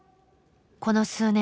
この数年